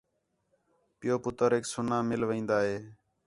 پِیؤ، پُتریک سُنّا مل وین٘دا ہِے